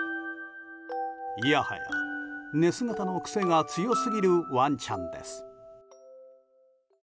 いやはや、寝姿の癖が強すぎるワンちゃんです。